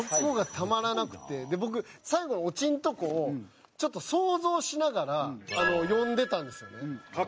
で僕最後のオチのところをちょっと想像しながら読んでたんですよね。